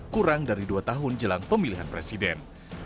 kurang dari dua tahun jelang pemilihan presiden